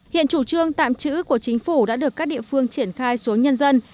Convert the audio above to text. hiện chủ trương tạm chữ của chính phủ đã được các địa phương triển khai xuống nhân dân